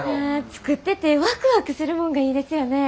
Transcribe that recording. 作っててワクワクするもんがいいですよね。